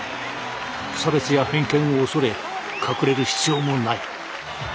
差別や偏見を恐れ隠れる必要もない。